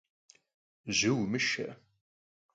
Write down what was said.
Jı vumışşe!